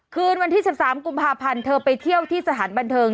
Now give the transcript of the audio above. คืนวันที่๑๓กุมภาพันธ์เธอไปเที่ยวที่สถานบันเทิง